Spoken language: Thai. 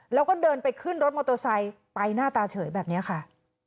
แล้วก็เดินไปขึ้นรถมอเตอร์ไซค์ไปหน้าตาเฉยแบบนี้ค่ะ